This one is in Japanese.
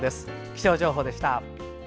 気象情報でした。